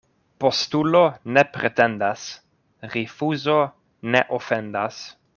Postulo ne pretendas, rifuzo ne ofendas.